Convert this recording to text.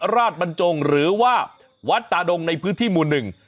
ราชบรรจงหรือว่าวัดตาดงในพื้นที่หมู่หนึ่ง